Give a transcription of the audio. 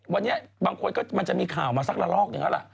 วันนี้บางคนก็มันจะมีข่าวมาสักละลอกอย่างนั้นแหละ